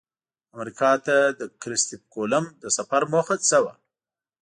امریکا ته د کرسف کولمب د سفر موخه څه وه؟